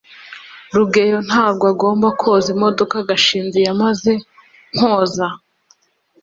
rugeyo ntabwo agomba koza imodoka gashinzi yamaze kwoza